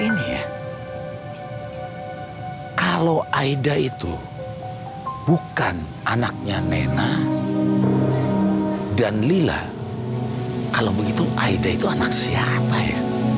ini ya kalau aida itu bukan anaknya nena dan lila kalau begitu aida itu anak siapa ya